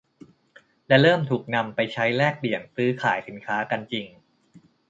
และเริ่มถูกนำไปใช้แลกเปลี่ยนซื้อขายสินค้ากันจริง